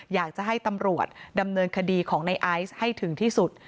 อยากจะให้ตำรวจดำเนินคดีของในไอซ์ให้ถึงที่สุด